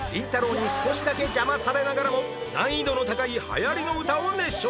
に少しだけ邪魔されながらも難易度の高いはやりの歌を熱唱